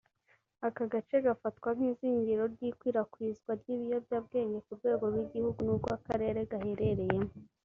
Aka gace gafatwa nk’izingiro ry’ikwirakwizwa ry’ibiyobyabwenge ku rwego rw’igihugu n’urw’akarere gaherereyemo